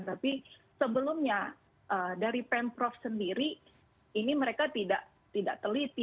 tapi sebelumnya dari pemprov sendiri ini mereka tidak teliti